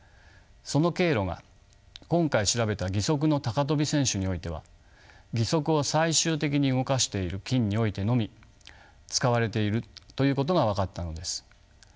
その経路が今回調べた義足の高跳び選手においては義足を最終的に動かしている筋においてのみ使われているということが分かったのです。